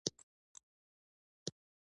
سندره د مور سندره ده